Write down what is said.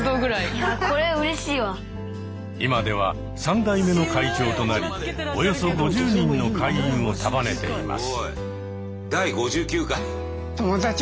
今では３代目の会長となりおよそ５０人の会員を束ねています。